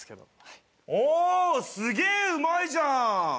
すげえうまいじゃん。